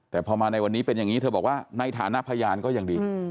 แต่พอมาในวันนี้เป็นอย่างนี้เธอบอกว่าในฐานะพยานก็ยังดี